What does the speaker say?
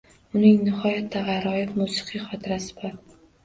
Uning nihoyatda g‘aroyib musiqiy xotirasi bor.